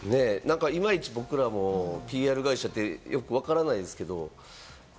いまいち僕らもＰＲ会社ってよくわからないですけれども。